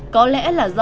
có lẽ là do